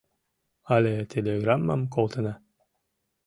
Але телеграммым колтена.